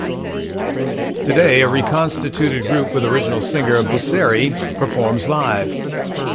Today, a reconstituted group, with original singer Busseri, performs live.